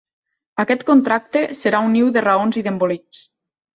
Aquest contracte serà un niu de raons i d'embolics.